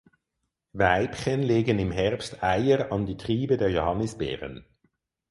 Weibchen legen im Herbst Eier an die Triebe der Johannisbeeren.